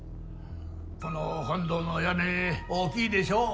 この本堂の屋根大きいでしょう。